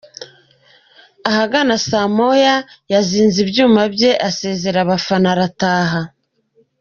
Ahagana saa moya yazinze ibyuma bye asezera abafana arataha.